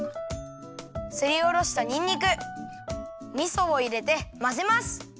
すりおろしたにんにくみそをいれてまぜます。